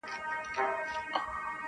سونډ راشنه سول دهقان و اوبدل تارونه -